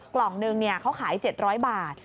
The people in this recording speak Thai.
กล่องนึงเขาขาย๗๐๐บาท